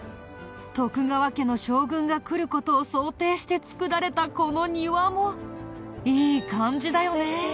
徳川家の将軍が来る事を想定して造られたこの庭もいい感じだよね。